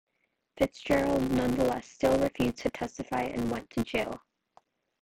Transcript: Fitzgerald nonetheless still refused to testify and went to jail.